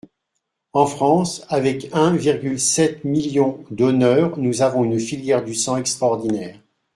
En France, avec un virgule sept million donneurs, nous avons une filière du sang extraordinaire.